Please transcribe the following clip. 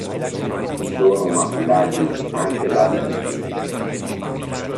Sono maculati anche da adulti.